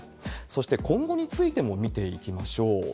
そして、今後についても見ていきましょう。